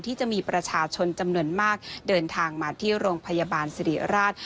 ที่จะมีประชาชนจำนวนมากเดินทางมาที่โรงพยาบาลสิริราช